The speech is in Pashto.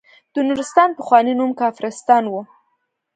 د نورستان پخوانی نوم کافرستان وه.